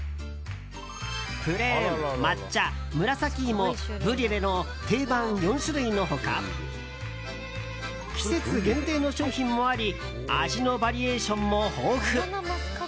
プレーン、抹茶、紫いもブリュレの定番４種類の他季節限定の商品もあり味のバリエーションも豊富。